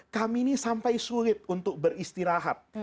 kami ini sampai sulit untuk beristirahat